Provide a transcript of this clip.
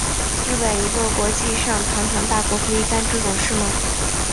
日本一个国际上堂堂大国可以干这种事吗？